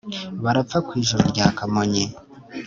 barapfa ku ijuru rya kamonyi